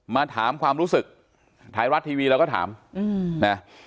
มาถามความรู้สึกไทยรัฐทีวีเราก็ถามนะ